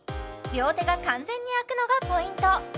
両手が完全に空くのがポイント